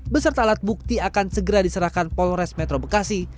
beserta alat bukti akan segera diserahkan polres metro bekasi